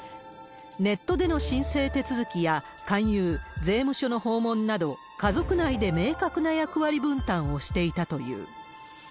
ネットでの申請手続きや勧誘、税務署の訪問など、家族内で明確な役割分担をしていたという。